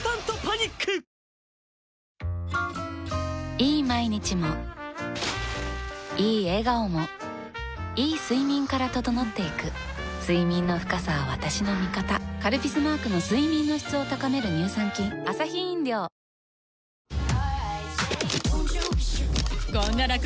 いい毎日もいい笑顔もいい睡眠から整っていく睡眠の深さは私の味方「カルピス」マークの睡眠の質を高める乳酸菌今夜の『関ジャム』は。